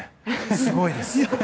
すごいです。